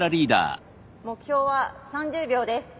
目標は３０秒です。